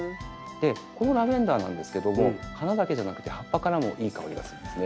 このラベンダーなんですけども花だけじゃなくて葉っぱからもいい香りがするんですね。